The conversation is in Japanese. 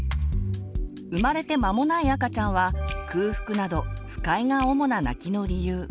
生まれて間もない赤ちゃんは空腹など不快が主な泣きの理由。